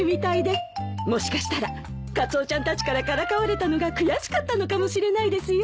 もしかしたらカツオちゃんたちからからかわれたのが悔しかったのかもしれないですよ。